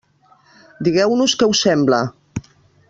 Digueu-nos que us sembla!